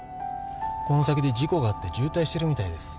この先で事故があって渋滞してるみたいです。